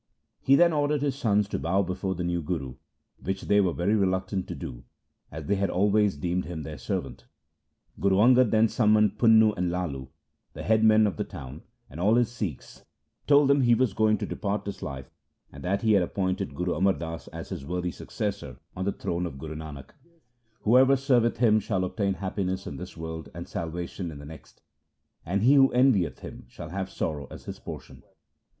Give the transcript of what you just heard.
He then ordered his sons to bow before the new Guru, which they were very reluctant to do, as they had always deemed him their servant. Guru Angad then summoned Punnu and Lalu, the head men of the town, and all his Sikhs, told them he was going to depart this life, and that he had appointed Guru Amar Das as his worthy suc cessor on the throne of Guru Nanak. ' Whoever serveth him shall obtain happiness in this world and salvation in the next, and he who envieth him shall have sorrow as his portion.'